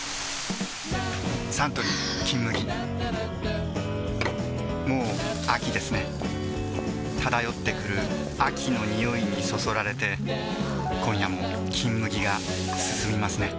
サントリー「金麦」もう秋ですね漂ってくる秋の匂いにそそられて今夜も「金麦」がすすみますね